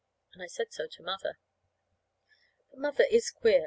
And I said so to Mother. But Mother is queer.